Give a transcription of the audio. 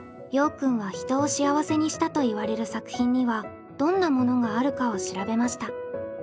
くんは人を幸せにしたといわれる作品にはどんなものがあるかを調べました。